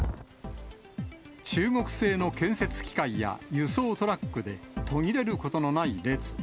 中国製の建設機械や輸送トラックで途切れることのない列。